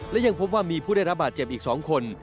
และยังพบว่ามีผู้ได้รับบาดเจ็บอีก๒คน